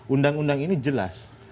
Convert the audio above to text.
undang undang ini jelas